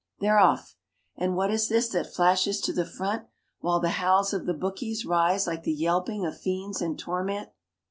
They're off. And what is this that flashes to the front, while the howls of the bookies rise like the yelping of fiends in torment?